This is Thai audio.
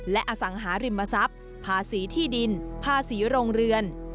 และอสังหาริมทรัพย์ภาษีที่ดินภาษีโรงเรือน